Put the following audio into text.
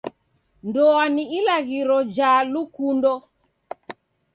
Ndoa ni ilaghiro ja lukundo.